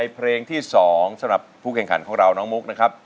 เพลงที่๒สำหรับผู้แข่งขันของเราน้องมุกนะครับ